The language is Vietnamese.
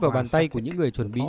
vào bàn tay của những người chuẩn bị